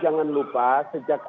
jangan lupa jangan lupa